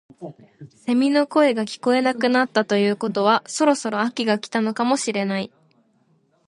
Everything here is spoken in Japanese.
セミの声が聞こえなくなったということはそろそろ秋が来たのかもしれない